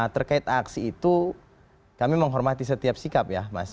terkait aksi itu kami menghormati setiap sikap ya mas